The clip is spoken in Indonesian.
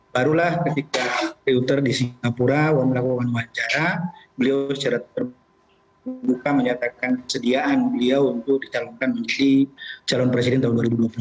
barulah ketika filter di singapura melakukan wawancara beliau secara terbuka menyatakan kesediaan beliau untuk dicalonkan menjadi calon presiden tahun dua ribu dua puluh empat